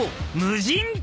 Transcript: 無人！］